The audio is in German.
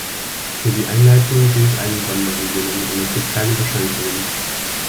Für die Einleitung gilt eine Sonderregelung, und es gibt keine Beschränkungen.